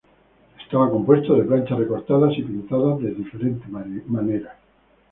Estaba compuesto de planchas recortadas y pintadas de diferente manera.